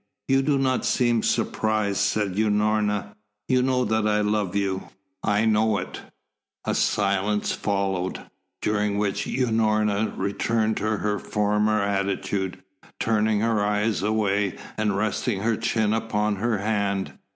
"You do not seem surprised," said Unorna. "You know that I love you?" "I know it." A silence followed, during which Unorna returned to her former attitude, turning her eyes away and resting her chin upon her hand.